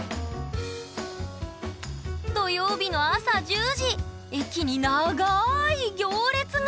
土曜日の朝１０時駅に長い行列が！